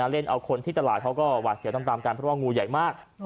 เล่นเอาคนที่ตลาดเขาก็หวาดเสียตามกันเพราะว่างูใหญ่มาก